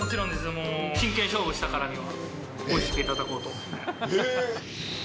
もう、真剣勝負したからには、おいしく頂こうと。